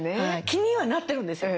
気にはなってるんですよ。